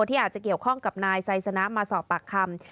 ที่อาจจะเกี่ยวข้องกับนายไซสนะมาสอบปากคำ